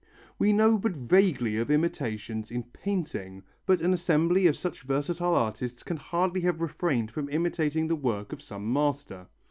We know but vaguely of imitations in painting, but an assembly of such versatile artists can hardly have refrained from imitating the work of some master.